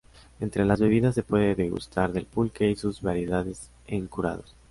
Entre las bebidas se puede degustar del pulque y sus variedades en curados.